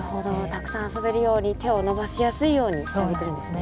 たくさん遊べるように手を伸ばしやすいようにしてあげてるんですね。